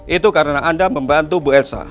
itu karena anda membantu bu elsa